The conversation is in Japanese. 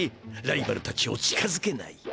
ライバルたちを近づけない。